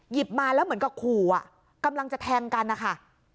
มาแล้วเหมือนกับขู่อ่ะกำลังจะแทงกันนะคะ